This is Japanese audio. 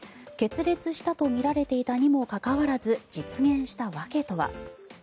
決裂したとみられていたにもかかわらず実現した訳とは。